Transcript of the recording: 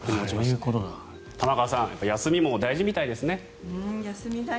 玉川さん休みも大事みたいですね。